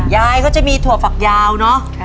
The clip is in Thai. ยายก็จะมีถั่วฝักยาวเนอะ